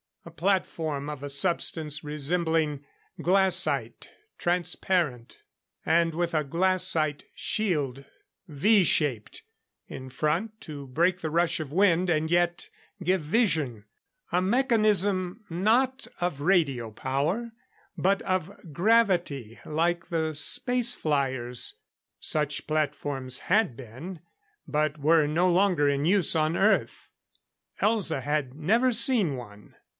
A platform of a substance resembling glascite transparent; and with a glascite shield V shaped in front to break the rush of wind and yet give vision. A mechanism, not of radio power, but of gravity like the space flyers. Such platforms had been, but were no longer in use on Earth. Elza had never seen one.